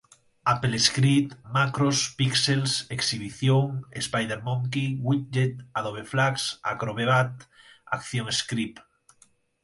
applescript, macros, pixels, exibição, spidermonkey, widget, adobe flash, acrobrat, actionscript